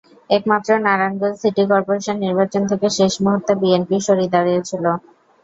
একমাত্র Narayanganj city corporation নির্বাচন থেকে শেষ মুহূর্তে বিএনপি সরে দাঁড়িয়েছিল।